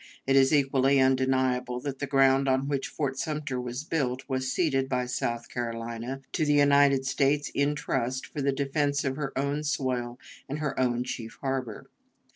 It is equally undeniable that the ground on which Fort Sumter was built was ceded by South Carolina to the United States in trust for the defense of her own soil and her own chief harbor.